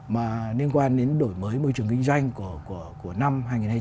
mà liên quan đến đổi mới môi trường kinh doanh của năm hai nghìn hai mươi bốn